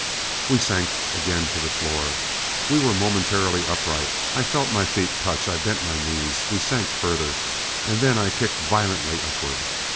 We sank again to the floor. We were momentarily upright. I felt my feet touch. I bent my knees. We sank further. And then I kicked violently upward.